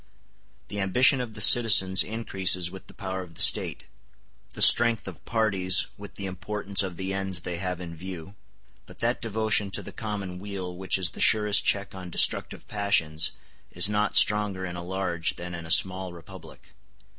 The ambition of the citizens increases with the power of the State; the strength of parties with the importance of the ends they have in view; but that devotion to the common weal which is the surest check on destructive passions is not stronger in a large than in a small republic.